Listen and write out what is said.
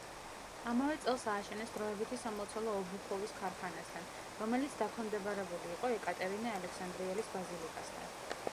ამავე წელს ააშენეს დროებითი სამლოცველო ობუხოვის ქარხანასთან, რომელიც დაქვემდებარებული იყო ეკატერინე ალექსანდრიელის ბაზილიკასთან.